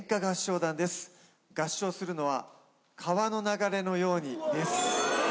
合唱するのは『川の流れのように』です。